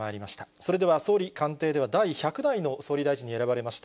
それでは総理官邸では、第１００代の総理大臣に選ばれました